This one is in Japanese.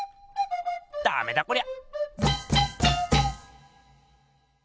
ダメだこりゃ！